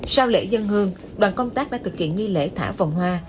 sau lễ dân hương đoàn công tác đã thực hiện nghi lễ thả vòng hoa